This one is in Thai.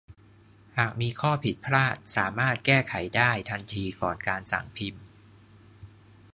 หากมีข้อผิดพลาดสามารถแก้ไขได้ทันทีก่อนการสั่งพิมพ์